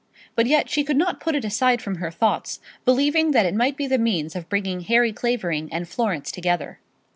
But yet she could not put it aside from her thoughts, believing that it might be the means of bringing Harry Clavering and Florence together.